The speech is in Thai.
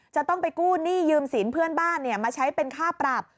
จะต้องไปกู้หนี้ยืมสินเพื่อนบ้านมาใช้เป็นค่าปรับ